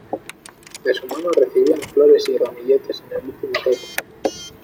De su mano recibían flores y ramilletes el último toque.